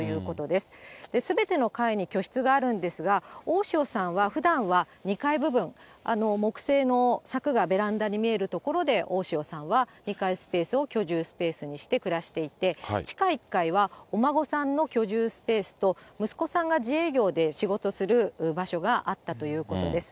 すべての階に居室があるんですが、大塩さんはふだんは２階部分、あの木製の柵がベランダに見えるところで、大塩さんは２階スペースを居住スペースにして暮らしていて、地下１階はお孫さんの居住スペースと、息子さんが自営業で仕事する場所があったということです。